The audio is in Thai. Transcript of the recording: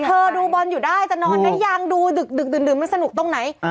เธอดูบอลอยู่ได้จะนอนไหมยังดูดึกดึกดึงไม่สนุกตรงไหน